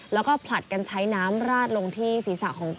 แล้วก็ผลัดกันใช้น้ำราดลงที่ศีรษะของ